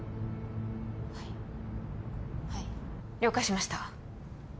はいはい了解しました